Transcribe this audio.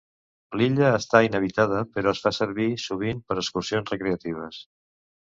L'illa està inhabitada, però es fa servir sovint per excursions recreatives.